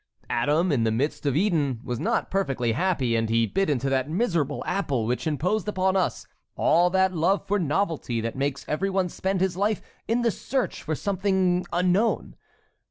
Adam, in the midst of Eden, was not perfectly happy, and he bit into that miserable apple which imposed upon us all that love for novelty that makes every one spend his life in the search for something unknown.